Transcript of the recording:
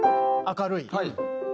明るい。